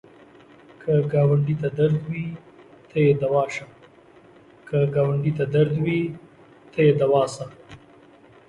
که ګاونډي ته درد وي، ته یې دوا شه